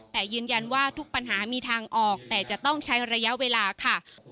แต่ยืนยันว่าทุกปัญหามีทางออกแต่จะต้องใช้ระยะเวลาค่ะ